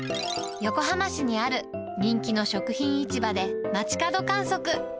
横浜市にある人気の食品市場で街角観測。